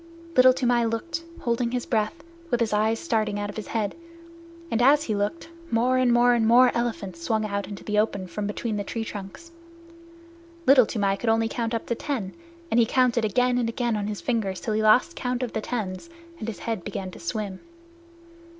Little Toomai looked, holding his breath, with his eyes starting out of his head, and as he looked, more and more and more elephants swung out into the open from between the tree trunks. Little Toomai could only count up to ten, and he counted again and again on his fingers till he lost count of the tens, and his head began to swim.